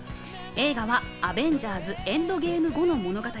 映画は『アベンジャーズ／エンドゲーム』後の物語。